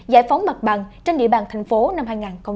giải phóng mặt bằng trên địa bàn thành phố năm hai nghìn hai mươi